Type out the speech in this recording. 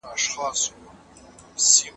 که زنګ وي نو وخت نه تېریږي.